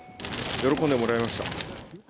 喜んでもらえました？